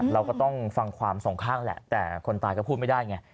เราก็ต้องฟังความสองข้างแหละแต่คนตายก็พูดไม่ได้ไง